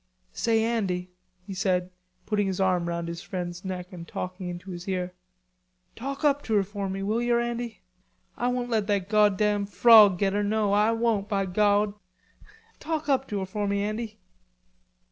"Say, Andy," he said, putting his arm round his friend's neck and talking into his ear, "talk up to her for me, will yer, Andy?... Ah won't let that goddam frog get her, no, I won't, by Gawd. Talk up to her for me, Andy."